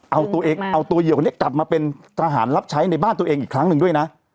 เอาตัวเหยื่อคนนี้กลับมาเป็นทหารรับใช้ในบ้านตัวเองอีกครั้งหนึ่งด้วยนะ